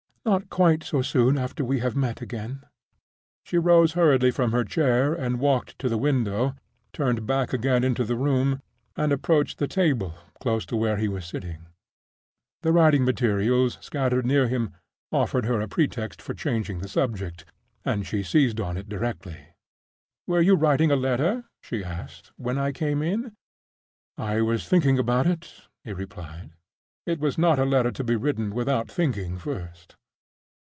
"Not quite so soon after we have met again." She rose hurriedly from her chair, and walked to the window, turned back again into the room, and approached the table, close to where he was sitting. The writing materials scattered near him offered her a pretext for changing the subject, and she seized on it directly. "Were you writing a letter," she asked, "when I came in?" "I was thinking about it," he replied. "It was not a letter to be written without thinking first."